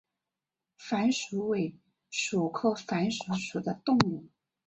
攀鼠为鼠科攀鼠属的动物。